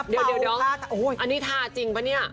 เดี๋ยวอันนี้ทาจริงปะเนี่ย